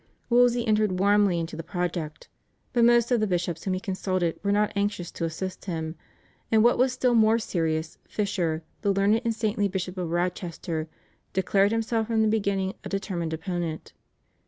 Wolsey entered warmly into the project, but most of the bishops whom he consulted were not anxious to assist him; and what was still more serious Fisher, the learned and saintly Bishop of Rochester, declared himself from the beginning a determined opponent.